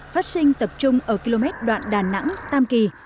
phát sinh tập trung ở km đoạn đà nẵng tam kỳ